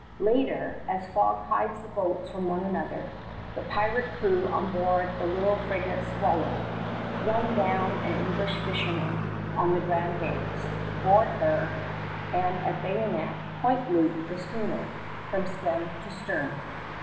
Later, as fog hides the boats from one another, the pirate crew on board the little frigate Swallow run down an English fisherman on the Grand Banks, board her, and at bayonet point loot the schooner from stem to stern.